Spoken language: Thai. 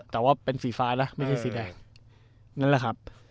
แต่ว่าเป็นสีฟ้าล่ะไม่ใช่สีแดง